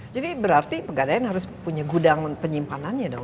jadi berarti pegadaian harus punya gudang penyimpanannya dong